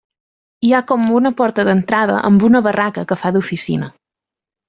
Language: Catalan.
Hi ha com una porta d'entrada amb una barraca que fa d'oficina.